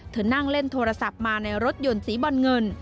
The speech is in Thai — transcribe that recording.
นั่งเล่นโทรศัพท์มาในรถยนต์สีบอลเงิน